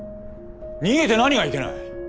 逃げて何がいけない！